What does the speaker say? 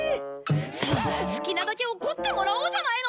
さあ好きなだけ怒ってもらおうじゃないの！